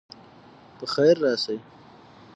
په خیر راسئ.